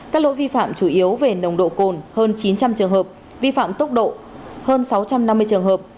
các lỗi vi phạm chủ yếu về nồng độ cồn hơn chín trăm linh trường hợp vi phạm tốc độ hơn sáu trăm năm mươi trường hợp